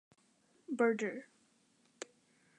Berger.